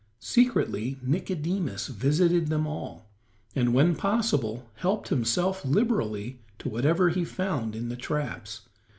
Secretly Nicodemus visited them all, and, when possible, helped himself liberally to whatever he found in the traps.